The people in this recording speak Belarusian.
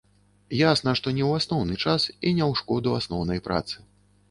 Ясна, што не ў асноўны час і не ў шкоду асноўнай працы.